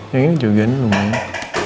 yang ini juga ini lumayan